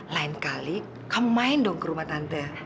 lain kali kamu main dong ke rumah tante